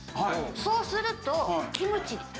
そうするとキムチ。